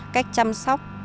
cách chăm sóc